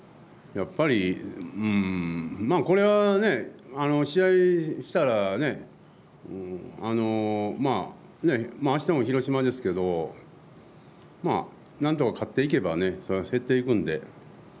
やっぱりこれは試合したらまあ、あしたも広島ですけどなんとか勝っていけば減っていくんで。